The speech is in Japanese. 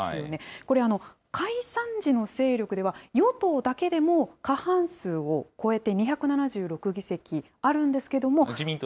これ、解散時の勢力では、与党だけでも過半数を超えて２７６議席あるんですけども。